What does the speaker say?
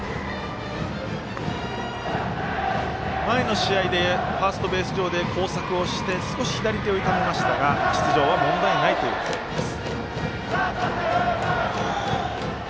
前の試合でファーストベース上で交錯をして少し左手を痛めましたが出場は問題ないということです。